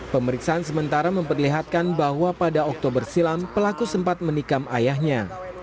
pemeriksaan sementara memperlihatkan bahwa pada oktober silam pelaku sempat menikam ayahnya